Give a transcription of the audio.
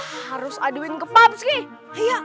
harus aduin ke papsky